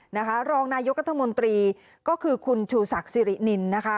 รองนายกรัฐมนตรีก็คือคุณชูศักดิ์สิรินินนะคะ